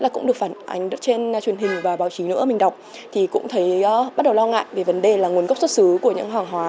cũng được phản ánh trên truyền hình và báo chí nữa mình đọc thì cũng thấy bắt đầu lo ngại về vấn đề là nguồn gốc xuất xứ của những hàng hóa